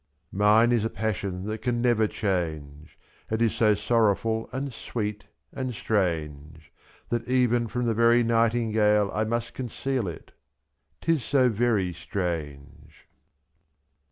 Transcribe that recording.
71 Mine is a passion that can never change^ It is so sorrowful and sweet and strange^ /^*. That even from the very nightingale I must conceal it — 'tis so very strange.